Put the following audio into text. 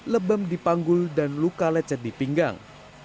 lebam di panggul dan luka lecet di pinggang